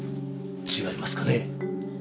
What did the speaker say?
違いますかね？